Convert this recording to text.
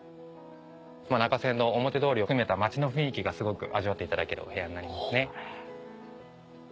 中山道表通りを含めた町の雰囲気がすごく味わっていただけるお部屋になりますね。